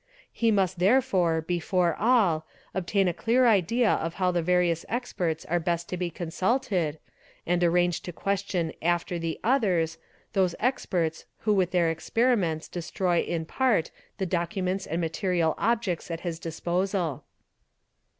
He must therefore, before all, obtain a _ clear idea of how the various experts are best to be consulted, and arrange ' to question after the others, those experts who with their experiments } destroy in part the documents and material objects at his disposal.